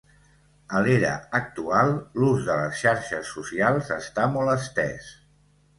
A l'era actual, l'ús de les xarxes socials està molt estès.